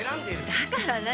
だから何？